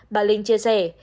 bà linh chia sẻ